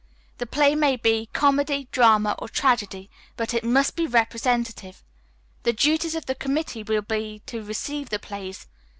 The play may be comedy, drama, or tragedy, but it must be representative. The duties of the committee will be to receive the plays.